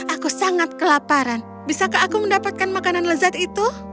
aku sangat kelaparan bisakah aku mendapatkan makanan lezat itu